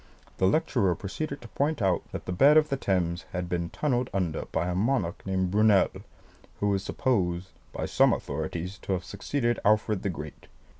The lecturer proceeded to point out that the bed of the Thames had been tunnelled under by a monarch named Brunel, who is supposed by some authorities to have succeeded Alfred the Great.